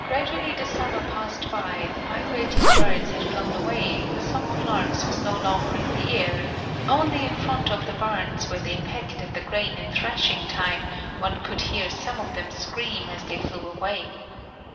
Gradually the summer passed by; the migrating birds had flown away, the song of larks was no longer in the air; only in front of the barns, where they pecked at the grain in thrashing time, one could hear some of them scream as they flew away.